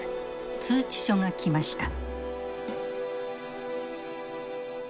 通知書が来ました。